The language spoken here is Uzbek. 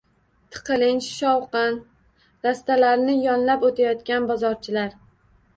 Tiqilinch, shovqin. Rastalarni yonlab o‘tayotgan bozorchilar.